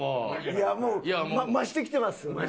いやもう増してきてますよね？